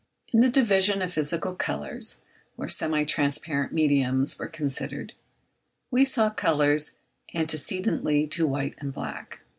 In the division of physical colours, where semi transparent mediums were considered, we saw colours antecedently to white and black.